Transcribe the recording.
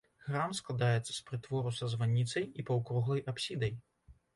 Храм складаецца з прытвору са званіцай і паўкруглай апсідай.